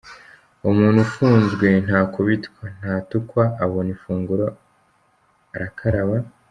Uwo muntu ufunzwe ntakubitwa, ntatukwa, abona ifunguro, arakaraba, …….